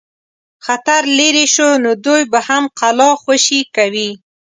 خطر لیري شو نو دوی به هم قلا خوشي کوي.